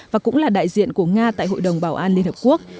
và cũng là đại diện của nga tại hội đồng bảo an liên hợp quốc